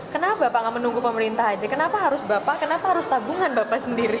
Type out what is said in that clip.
kenapa pak gak menunggu pemerintah aja kenapa harus bapak kenapa harus tabungan bapak sendiri